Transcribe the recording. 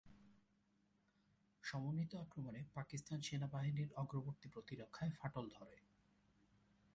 সমন্বিত আক্রমণে পাকিস্তান সেনাবাহিনীর অগ্রবর্তী প্রতিরক্ষায় ফাটল ধরে।